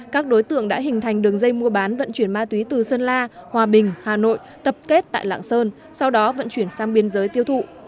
các đối tượng đã hình thành đường dây mua bán vận chuyển ma túy từ sơn la hòa bình hà nội tập kết tại lạng sơn sau đó vận chuyển sang biên giới tiêu thụ